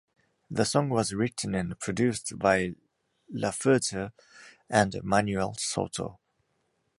The song was written and produced by Laferte and Manuel Soto.